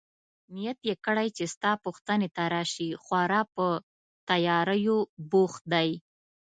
نیت يې کړی چي ستا پوښتنې ته راشي، خورا په تیاریو بوخت دی.